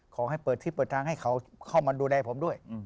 ขอให้เปิดที่เปิดทางให้เขาเข้ามาดูแลผมด้วย